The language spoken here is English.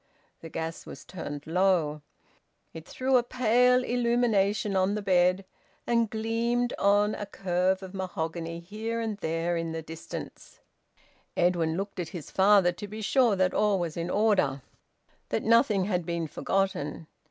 The gas was turned low. It threw a pale illumination on the bed, and gleamed on a curve of mahogany here and there in the distances. Edwin looked at his father, to be sure that all was in order, that nothing had been forgotten.